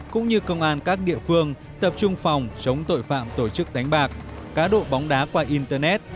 cũng như công an các địa phương tập trung phòng chống tội phạm tổ chức đánh bạc cá độ bóng đá qua internet